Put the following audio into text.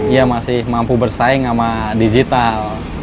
iya masih mampu bersaing sama digital